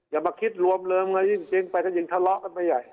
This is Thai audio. อย่ามาคิดรวมเริมเลยยิ่งไปก็ยิ่งทะเลาะกันไปใหญ่